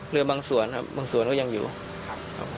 เรือบางส่วนครับบางส่วนก็ยังอยู่ครับ